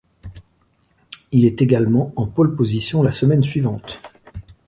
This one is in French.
Il est également en pôle position la semaine suivante.